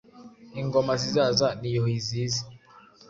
Ingoma zizaza ni Yuhi zizi :